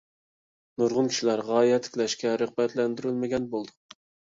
نۇرغۇن كىشىلەر غايە تىكلەشكە رىغبەتلەندۈرۈلمىگەن بولىدۇ.